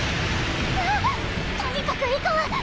とにかくいこう！